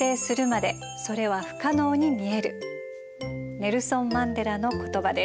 ネルソン・マンデラの言葉です。